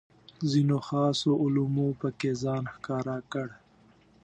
ځینو خاصو علومو پکې ځان ښکاره کړ.